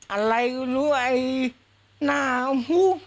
อะไรลุยหน้าโม้